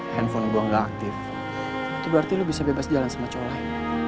kalo telfon gua gak aktif itu berarti lu bisa bebas jalan sama cowok lain